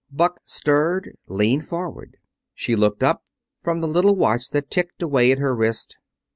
Buck stirred, leaned forward. She looked up from the little watch that ticked away at her wrist.